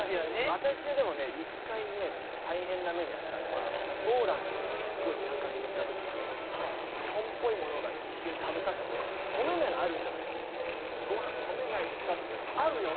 私はでもね一回ね大変な目に遭ったのはポーランドのすごい田舎に行った時に日本っぽいものが一瞬食べたくて米ならあるんじゃないかと思って「ご飯米ないですか？」って言ったら「あるよ」